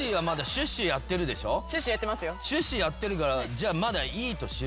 シュッシュやってるからじゃあまだいいとしようよ。